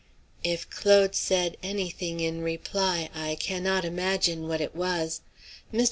If Claude said any thing in reply, I cannot imagine what it was. Mr.